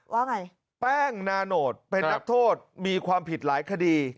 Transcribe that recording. ว่าไงแป้งนาโนตเป็นนักโทษมีความผิดหลายคดี